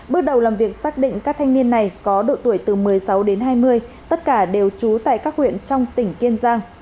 bước đầu làm việc xác định các thanh niên này có độ tuổi từ một mươi sáu đến hai mươi tất cả đều trú tại các huyện trong tỉnh kiên giang